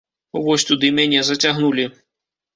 Вось туды мяне зацягнулі.